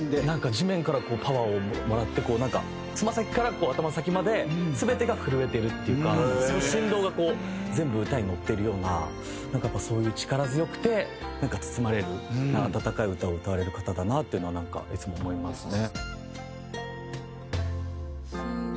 地面からパワーをもらってこうつま先から頭の先まで全てが震えてるっていうかその振動がこう全部歌に乗ってるようなやっぱそういう力強くて包まれる温かい歌を歌われる方だなっていうのはいつも思いますね。